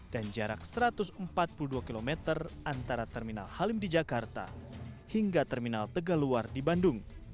dan jarak satu ratus empat puluh dua km antara terminal halim di jakarta hingga terminal tegaluar di bandung